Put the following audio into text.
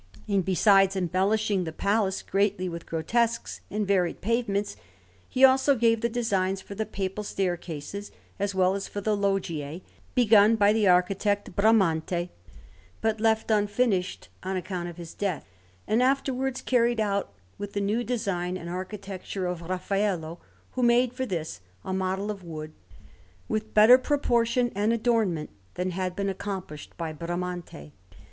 And besides embellishing the Palace greatly with grotesques and varied pavements, he also gave the designs for the Papal staircases, as well as for the loggie begun by the architect Bramante, but left unfinished on account of his death, and afterwards carried out with the new design and architecture of Raffaello, who made for this a model of wood with better proportion and adornment than had been accomplished by Bramante.